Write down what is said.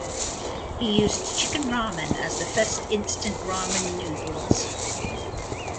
He used Chicken Ramen as the first instant ramen noodles.